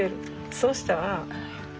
そうしたら。